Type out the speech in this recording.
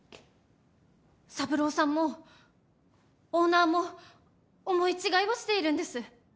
三郎さんもオーナーも思い違いをしているんです！